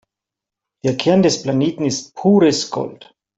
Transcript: Der Kern des Planeten ist pures Gold.